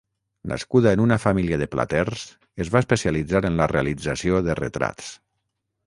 Nascuda en una família de platers, es va especialitzar en la realització de retrats.